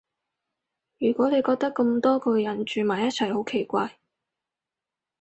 如果你覺得咁多個人住埋一齊好奇怪